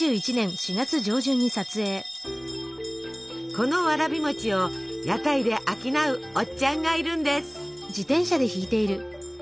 このわらび餅を屋台で商うおっちゃんがいるんです。